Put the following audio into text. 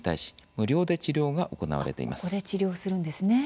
ここで治療するんですね。